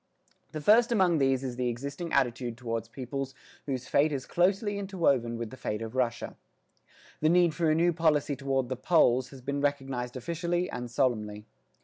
The first among these is the existing attitude toward peoples whose fate is closely interwoven with the fate of Russia. The need for a new policy toward the Poles has been recognised officially and solemnly.